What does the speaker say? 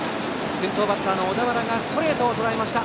先頭バッターの小田原がストレートをとらえました。